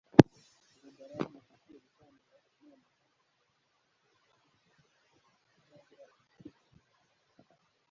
Porogaramu yari ikwiye gutangira nonaha birashoboka ko tuzabura igice cya mbere